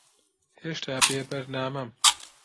ھێشتا بێبەرنامەم.